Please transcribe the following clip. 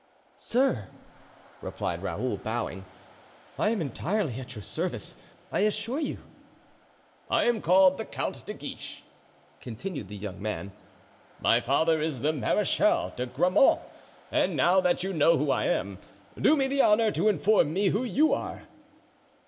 "Sir," replied Raoul, bowing, "I am entirely at your service, I assure you." "I am called the Count de Guiche," continued the young man; "my father is the Marechal de Grammont; and now that you know who I am, do me the honor to inform me who you are."